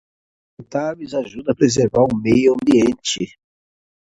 Práticas sustentáveis ajudam a preservar o meio ambiente.